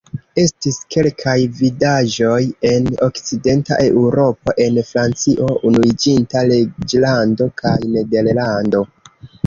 Estis kelkaj vidaĵoj en Okcidenta Eŭropo el Francio, Unuiĝinta Reĝlando kaj Nederlando.